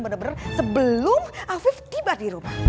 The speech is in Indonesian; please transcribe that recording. benar benar sebelum afif tiba di rumah